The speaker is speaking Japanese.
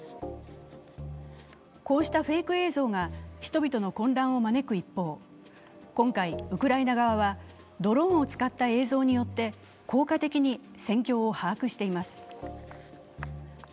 こうしたフェイク映像が人々の混乱を招く一方、今回、ウクライナ側はドローンを使った映像によって効果的に戦況を把握しています。